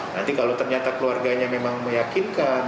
nanti kalau ternyata keluarganya memang meyakinkan